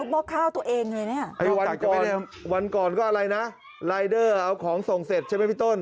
วันก่อนเราก็อะไรนะรายเดอร์เอาของส่งเสร็จใช่ไหมพี่ต้น